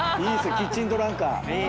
キッチンドランカー。